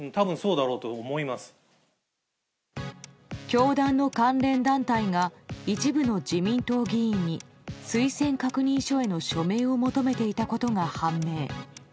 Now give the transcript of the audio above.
教団の関連団体が一部の自民党議員に推薦確認書への署名を求めていたことが判明。